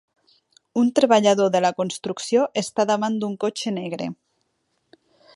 Un treballador de la construcció està davant d'un cotxe negre.